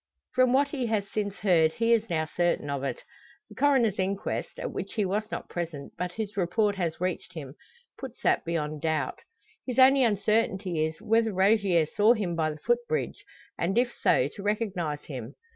From what he has since heard he is now certain of it. The coroner's inquest, at which he was not present, but whose report has reached him, puts that beyond doubt. His only uncertainty is, whether Rogier saw him by the footbridge, and if so to recognise him.